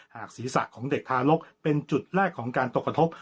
ศีรษะของเด็กทารกเป็นจุดแรกของการตกกระทบ